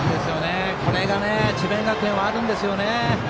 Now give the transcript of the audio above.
これが智弁学園はあるんですよね。